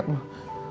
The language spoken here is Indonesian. aku gak mau